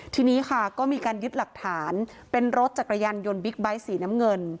ทีนี้ค่ะก็มีการยึดหลักฐานเป็นรถจักรยานยนต์บิ๊กไบท์สีน้ำเงิน